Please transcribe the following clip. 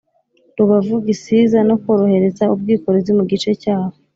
Rubavu Gisiza no korohereza ubwikorezi mu gice cyaho